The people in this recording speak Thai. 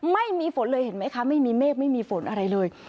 ไม่มีฝนเลยเห็นไหมคะไม่มีเมฆไม่มีฝนอะไรเลย